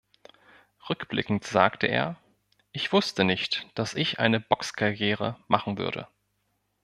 Rückblickend sagte er: "Ich wusste nicht, dass ich eine Boxkarriere machen würde.